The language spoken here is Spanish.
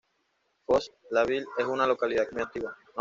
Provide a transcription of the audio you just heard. Fosses-la-Ville es una localidad muy antigua.